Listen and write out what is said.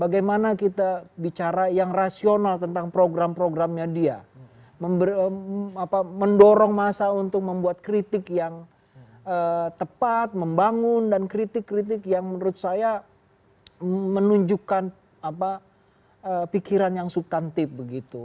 bagaimana kita bicara yang rasional tentang program programnya dia mendorong masa untuk membuat kritik yang tepat membangun dan kritik kritik yang menurut saya menunjukkan pikiran yang subtantif begitu